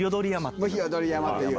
ひよどり山っていう。